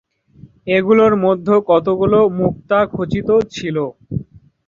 এগুলোর মধ্যে কতগুলো মুক্তা খচিত ছিল।